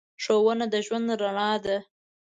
ښوونه د ژوند رڼا ده.